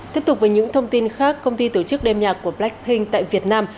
tiếp tục với những thông tin khác công ty tổ chức đem nhạc của blackpink tại việt nam